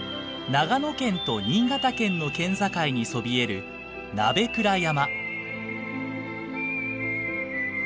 長野県と新潟県の県境にそびえる鍋倉山。